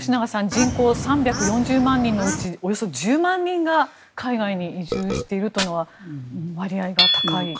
人口３４０万人のうちおよそ１０万人が海外に移住しているというのは割合が高いですね。